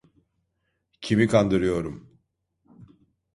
Kimi kandırıyorum?